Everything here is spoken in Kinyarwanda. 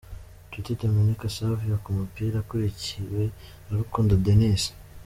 Nshuti Dominique Savio ku mupira akurikiwe na Rukundo Denis.